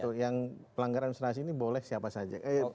tentu yang pelanggaran administrasi ini boleh siapa saja caleg ya